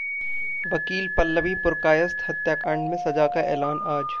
वकील पल्लवी पुरकायस्थ हत्याकांड में सजा का ऐलान आज